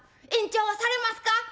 延長されますか」。